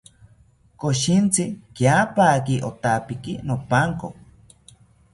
Koshintzi kiapaki otapiki nopanko